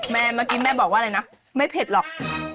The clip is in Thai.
เมื่อกี้แม่บอกว่าอะไรนะไม่เผ็ดหรอก